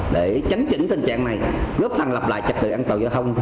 để chấn chỉnh tình trạng này góp phần lập lại trật tự an toàn giao thông